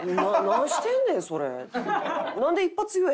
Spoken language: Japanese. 「何してんねん？それ」。